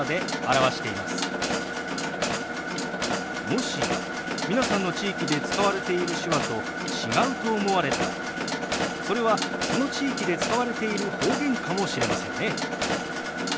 もし皆さんの地域で使われている手話と違うと思われたらそれはその地域で使われている方言かもしれませんね。